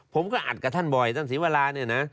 ผมก็อัดกับท่านบ่อยท่านศรีวราเนี่ยนะ